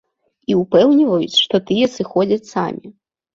І ўпэўніваюць, што тыя сыходзяць самі.